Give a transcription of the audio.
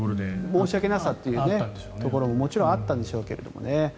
申し訳なさというのももちろんあったんでしょうけれどもね。